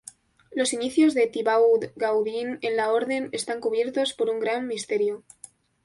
Los inicios de Thibaud Gaudin en la Orden están cubiertos por un gran misterio.